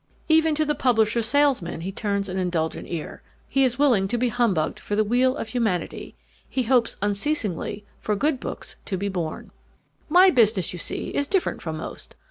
Even to the publisher's salesman he turns an indulgent ear. He is willing to be humbugged for the weal of humanity. He hopes unceasingly for good books to be born. "My business, you see, is different from most.